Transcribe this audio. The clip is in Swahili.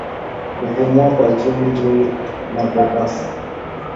Kupumua kwa juujuu na kwa kasi